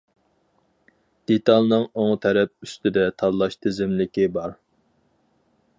دېتالنىڭ ئوڭ تەرەپ ئۈستىدە تاللاش تىزىملىكى بار.